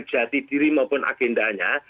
jati diri maupun agendanya